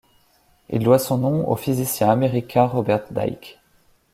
Il doit son nom au physicien américain Robert Dicke.